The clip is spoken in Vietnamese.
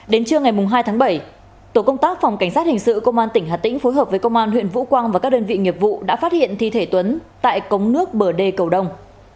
đến trưa ngày hai tháng bảy tổ công tác phòng cảnh sát hình sự công an tỉnh hà tĩnh phối hợp với công an huyện vũ quang và các đơn vị nghiệp vụ đã phát hiện thi thể tuấn tại cống nước bờ đê cầu đông